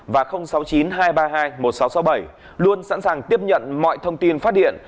và sáu mươi chín hai triệu ba trăm hai mươi một nghìn sáu trăm sáu mươi bảy luôn sẵn sàng tiếp nhận mọi thông tin phát điện